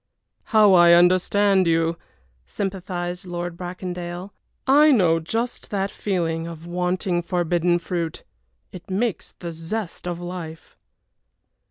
"How I understand you!" sympathized Lord Bracondale. "I know just that feeling of wanting forbidden fruit. It makes the zest of life."